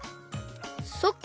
そっか。